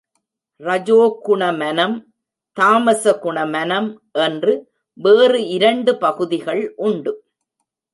ரஜோ குணமனம், தாமச குணமனம் என்று வேறு இரண்டு பகுதிகள் உண்டு.